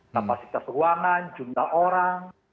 kapasitas ruangan jumlah orang